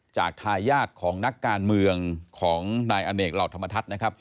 ทายาทของนักการเมืองของนายอเนกเหล่าธรรมทัศน์นะครับ